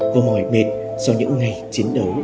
và mỏi mệt sau những ngày chiến đấu